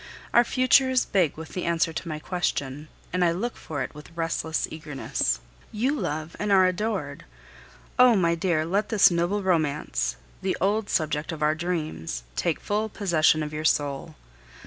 Our future is big with the answer to my question, and I look for it with restless eagerness. You love and are adored. Oh! my dear, let this noble romance, the old subject of our dreams, take full possession of your soul.